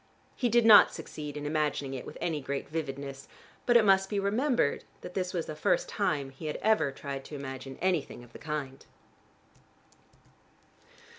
He did not succeed in imagining it with any great vividness, but it must be remembered that this was the first time he had ever tried to imagine anything of the kind.